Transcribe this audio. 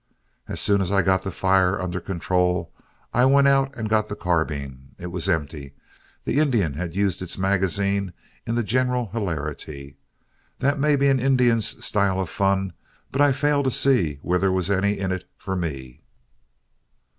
As soon as I got the fire under control, I went out and got the carbine. It was empty; the Indian had used its magazine in the general hilarity. That may be an Indian's style of fun, but I failed to see where there was any in it for me."